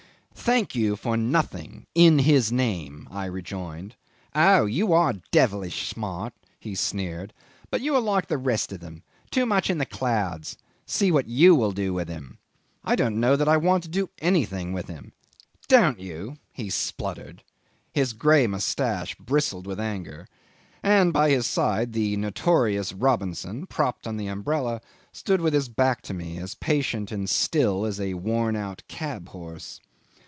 "Thank you for nothing in his name," I rejoined. "Oh! you are devilish smart," he sneered; "but you are like the rest of them. Too much in the clouds. See what you will do with him." "I don't know that I want to do anything with him." "Don't you?" he spluttered; his grey moustache bristled with anger, and by his side the notorious Robinson, propped on the umbrella, stood with his back to me, as patient and still as a worn out cab horse.